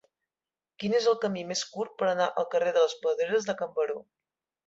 Quin és el camí més curt per anar al carrer de les Pedreres de Can Baró